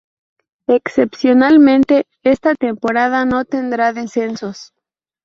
Excepcionalmente, esta temporada no tendrá descensos.